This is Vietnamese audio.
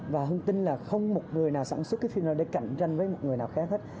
và hưng tin là không một người nào sản xuất cái finer để cạnh tranh với một người nào khác hết